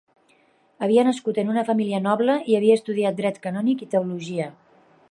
Havia nascut en una família noble i havia estudiat dret canònic i teologia.